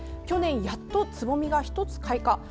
去年、やっとつぼみが１つ開花。